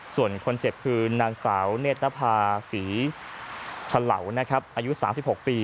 ส่วนคนเจ็บคือนางสาวเนตภาษีฉะเหล่าอายุ๓๖ปี